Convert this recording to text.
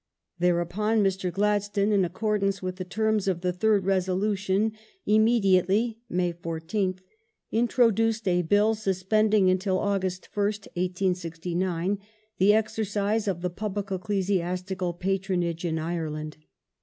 '' Thereupon, Mr. Gladstone in accordance with the terms of the third resolution, immediately (May 14th) introduced a Bill sus pending until August 1st, 1869, the exercise of the public ecclesias tical patronage in Ireland.